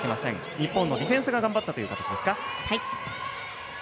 日本のディフェンスが頑張ったという形ですね。